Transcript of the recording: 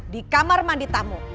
di kamar mandi tamu